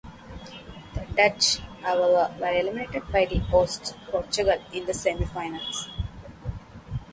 The Dutch, however, were eliminated by the hosts Portugal in the semi-finals.